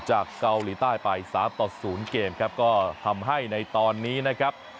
จากเกาหลีใต้ไปสามต่อศูนย์เกมครับก็ทำให้ในตอนนี้นะครับ